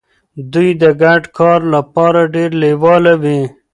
دوی د ګډ کار لپاره ډیر لیواله وي.